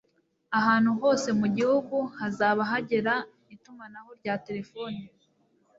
ahantu hose mu gihugu hazaba hagera itumanaho rya telefoni